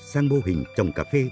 sang mô hình trồng cà phê đặc sản